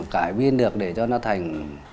cải biến được để cho nó thành